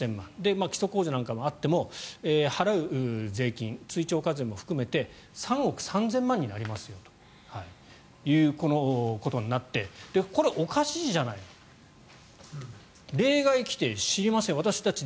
基礎控除なんかあっても払う税金、追徴課税も含めて３億３０００万円になりますよということになってこれ、おかしいじゃないの。例外規定、知りません私たち